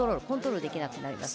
コントロールできなくなる。